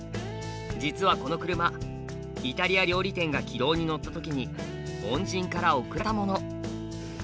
実はこの車イタリア料理店が軌道に乗った時に恩人から贈られたもの。